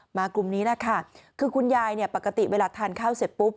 มากลุ่มนี้แหละค่ะคือคุณยายเนี่ยปกติเวลาทานข้าวเสร็จปุ๊บ